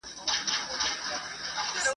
داړي ولوېدې د ښکار کیسه سوه پاته !.